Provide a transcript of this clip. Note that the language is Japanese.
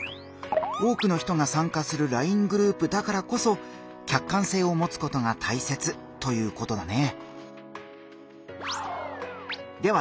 多くの人が参加するＬＩＮＥグループだからこそ客観性をもつことがたいせつということだね。